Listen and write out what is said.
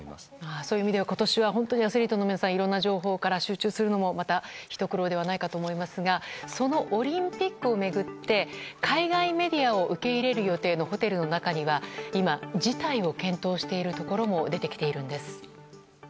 そういう意味では、今年はアスリートの皆さんはいろんな情報から集中するのもまたひと苦労だと思いますがそのオリンピックを巡って海外メディアを受け入れる予定のホテルの中には今、辞退を検討しているところも出てきているんです。